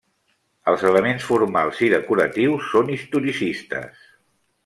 Els elements formals i decoratius són historicistes.